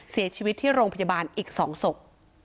เสียชีวิตที่โรงพยาบาลอีก๒ศพ